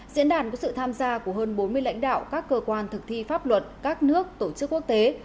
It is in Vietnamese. diễn đàn có sự tham gia của hơn bốn mươi lãnh đạo các cơ quan thực thi pháp luật các nước tổ chức quốc tế